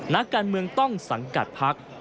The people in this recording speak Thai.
นักการเมืองต้องสังกัดพัก